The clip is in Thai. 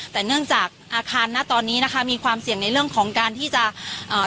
แต่เนื่องจากอาคารณตอนนี้นะคะมีความเสี่ยงในเรื่องของการที่จะเอ่อ